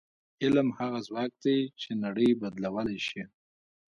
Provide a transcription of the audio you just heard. علم هغه ځواک دی چې نړۍ بدلولی شي.